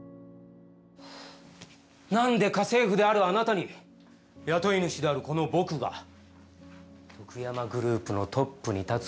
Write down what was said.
なんで家政婦であるあなたに雇い主であるこの僕がとくやまグループのトップに立つ